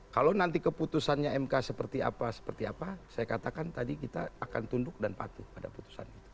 kalau nanti keputusannya mk seperti apa seperti apa saya katakan tadi kita akan tunduk dan patuh pada putusan itu